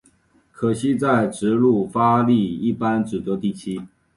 可惜在直路发力一般只得第七。